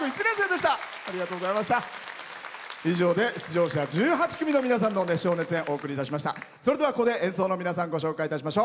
以上で出場者１８組の皆さんの熱唱・熱演、お送りいたしました。